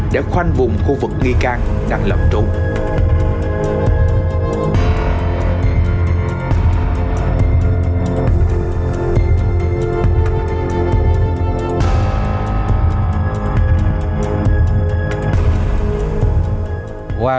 để khoanh vùng khu vực nghi can đang lập trốn